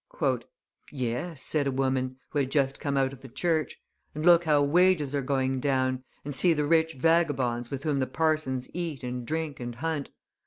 "Yes," said a woman, who had just come out of the church, "and look how wages are going down, and see the rich vagabonds with whom the parsons eat and drink and hunt.